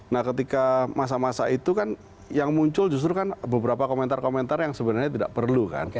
nah ketika masa masa itu kan yang muncul justru kan beberapa komentar komentar yang sebenarnya tidak perlu kan